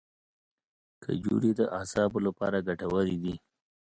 کجورې د اعصابو لپاره ګټورې دي.